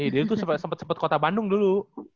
dia tuh sempet sempet kota bandung dulu